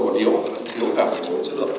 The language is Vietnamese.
còn điều là thiếu đạo